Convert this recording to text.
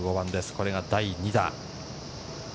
これが第２打。